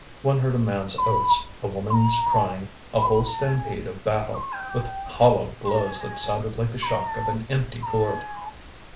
One heard a man's oaths, a woman's crying, a whole stampede of battle, with hollow blows that sounded like the shock of an empty gourd.